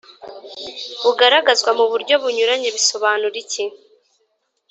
bugaragazwa mu buryo bunyuranye” bisobanura iki